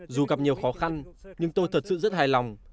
dù gặp nhiều khó khăn nhưng tôi thật sự rất hài lòng